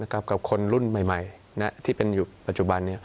กับคนรุ่นใหม่ที่เป็นอยู่ปัจจุบัน